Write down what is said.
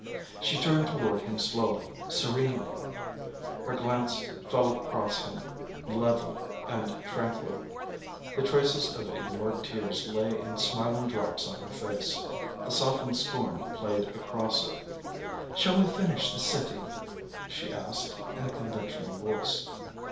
She turned toward him slowly, serenely. Her glance fell across him, level and tranquil. The traces of ignored tears lay in smiling drops on her face. The softened scorn played across it. "Shall we finish the sitting?" she asked, in a conventional voice.